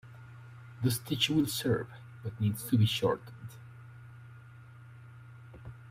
The stitch will serve but needs to be shortened.